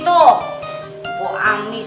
saya juga anggis